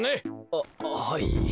あっははい。